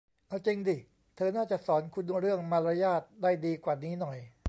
เอาจริงดิ เธอน่าจะสอนคุณเรื่องมารยาทได้ดีกว่านี้หน่อย